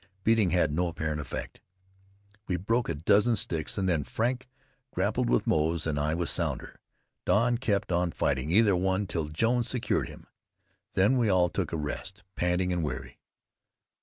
Beating had no apparent effect. We broke a dozen sticks, and then Frank grappled with Moze and I with Sounder. Don kept on fighting either one till Jones secured him. Then we all took a rest, panting and weary.